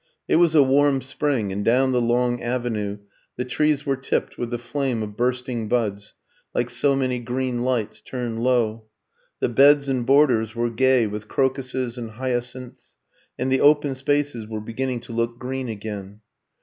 It was a warm spring, and down the long avenue the trees were tipped with the flame of bursting buds, like so many green lights turned low. The beds and borders were gay with crocuses and hyacinths, and the open spaces were beginning to look green again.